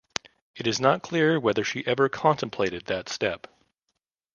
It is not clear whether she ever contemplated that step.